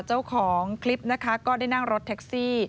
เจ้าของคลิปนะคะก็ได้นั่งรถแท็กซี่